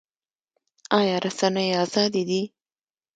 آیا رسنۍ ازادې دي؟